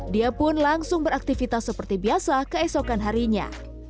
dia pun langsung beraktivitas seperti biasa keesokan harinya